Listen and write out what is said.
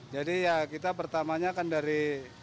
jadi ya kita pertamanya kan dari